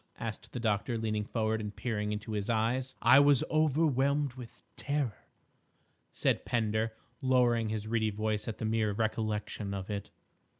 asked the doctor, leaning forward and peering into his eyes. "—I was overwhelmed with terror," said Pender, lowering his reedy voice at the mere recollection of it.